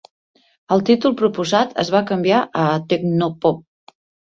El títol proposat es va canviar a "Techno Pop".